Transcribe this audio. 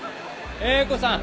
英子さん。